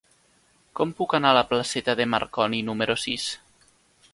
Com puc anar a la placeta de Marconi número sis?